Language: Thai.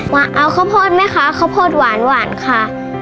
ว่าเอาขะพุนไหมคะขะพุนหวานค่ะ